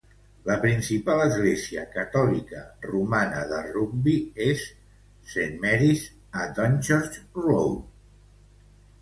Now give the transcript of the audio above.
La principal església catòlica romana de Rugby és Saint Maries a Dunchurch Road.